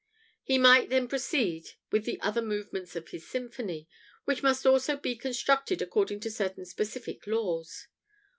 He might then proceed with the other movements of his symphony, which must also be constructed according to certain specific laws.